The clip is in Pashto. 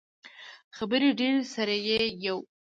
خبرې ډیرې، سر یی یو